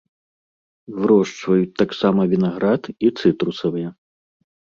Вырошчваюць таксама вінаград і цытрусавыя.